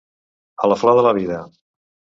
A la flor de la vida.